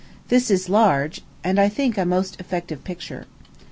This is large, and I think a most effective picture.